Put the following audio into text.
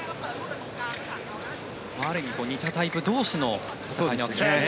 ある意味似たタイプ同士の戦いなんですね。